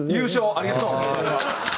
ありがとう！